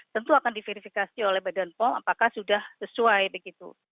tentu akan diverifikasi oleh badan pom apakah sudah sesuai begitu